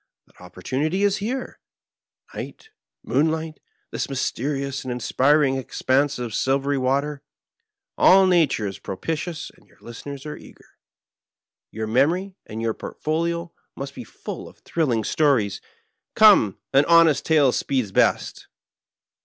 That opportunity is here — ^night, moonlight, this mysterious and inspiring expanse of silvery water — ^all nature is propitious, and your listeners are eager. Tour memory and your portfolio must be full of thrilling stories. Come — ^an honest tale speeds best.'"